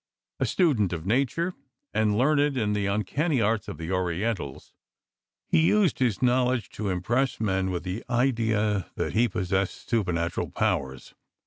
A student of nature, and learned in the uncanny arts of the Orientals, he used his knowledge to impress men with the idea that he possessed supernatural powers.